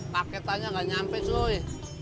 paketannya gak nyampe coy